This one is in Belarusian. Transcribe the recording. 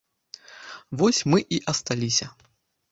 Вось мы і асталіся.